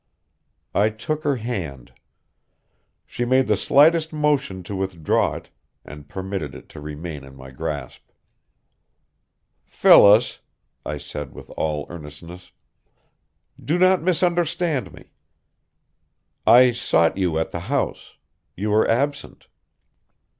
I took her hand. She made the slightest motion to withdraw it, and permitted it to remain in my grasp. "Phyllis," I said with all earnestness, "do not misunderstand me. I sought you at the house. You were absent.